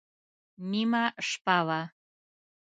نیمه شپه وه.